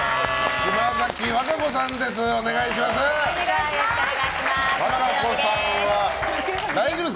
島崎和歌子さんです。